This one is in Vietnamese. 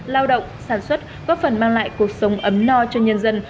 lao động sản xuất góp phần mang lại cuộc sống ấm no cho nhân dân